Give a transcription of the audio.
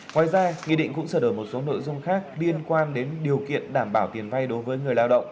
ngoài ra nghị định cũng sửa đổi một số nội dung khác liên quan đến điều kiện đảm bảo tiền vay đối với người lao động